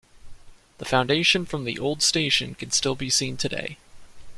The foundation from the old station can still be seen today.